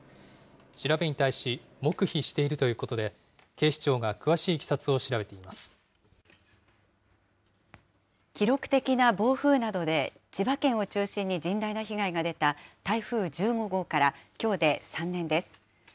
調べに対し黙秘しているということで、警視庁が詳しいいきさつを記録的な暴風などで、千葉県を中心に甚大な被害が出た台風１５号から、きょうで３年です。